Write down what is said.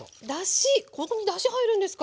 ここにだし入るんですか。